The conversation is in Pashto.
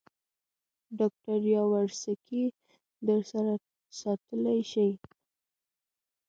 ډاکټر یاورسکي در سره ساتلای شې.